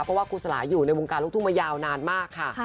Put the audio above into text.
เพราะว่าครูสลาอยู่ในวงการลูกทุ่งมายาวนานมากค่ะ